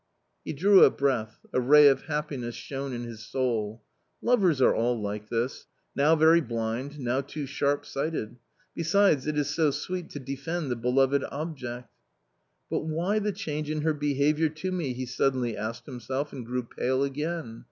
He drew a breath, a ray of happiness shone in his soul. Lovers are all like this ; now very blind, now too sharp sighted. Besides, it is so sweet to defend the beloved object. " But why the change in her behaviour to me ?" he suddenly asked himself and grew pale again.